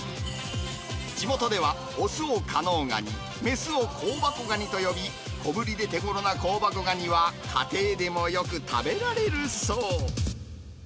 地元では、雄を加能ガニ、雌を香箱ガニと呼び、小ぶりで手ごろな香箱ガニは、家庭でもよく食べられるそう。